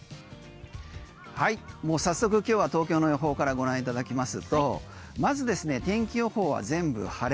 もう早速今日は東京の予報からご覧いただきますとまず、天気予報は全部晴れ。